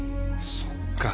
そっか。